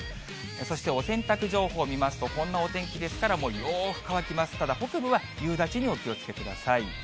そしてお洗濯情報見ますと、こんなお天気ですから、よーく乾きますから、ただ、北部は夕立にお気をつけください。